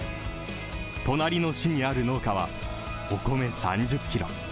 隣の市にある農家は、お米３０ｋｇ。